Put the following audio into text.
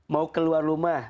mau keluar rumah